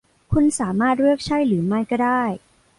คุณสามารถเลือกใช่หรือไม่ก็ได้